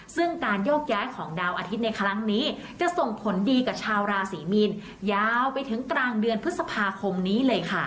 ซึ่งการโยกย้ายของดาวอาทิตย์ในครั้งนี้จะส่งผลดีกับชาวราศรีมีนยาวไปถึงกลางเดือนพฤษภาคมนี้เลยค่ะ